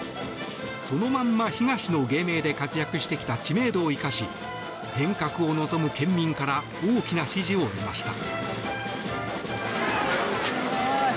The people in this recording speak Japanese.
そのまんま東の芸名で活動してきた知名度を生かし変革を望む県民から大きな支持を得ました。